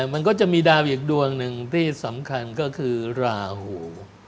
มันก็จะมีดาวอีกดวงหนึ่งที่สำคัญก็คือราหู